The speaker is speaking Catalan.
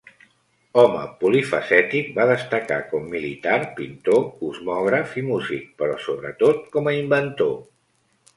Home polifacètic, va destacar com militar, pintor, cosmògraf i músic, però, sobretot, com a inventor.